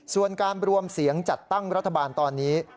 ส่วนการรวมเสียงจัดตั้งรัฐบาลตอนนี้